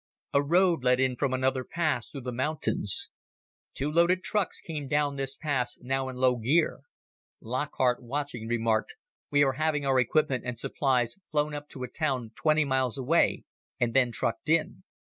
A road led in from another pass through the mountains. Two loaded trucks came down this pass now in low gear. Lockhart, watching, remarked, "We are having our equipment and supplies flown up to a town twenty miles away and then trucked in."